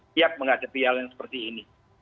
siap menghadapi hal yang seperti ini